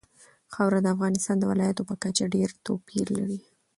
خاوره د افغانستان د ولایاتو په کچه ډېر توپیر لري.